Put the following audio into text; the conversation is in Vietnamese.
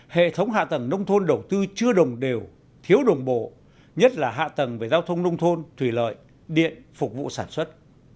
hệ thống hạ tầng nông thôn đầu tư chưa đồng đều thiếu đồng bộ nhất là hạ tầng về giao thông nông thôn thủy lợi điện phục vụ sản xuất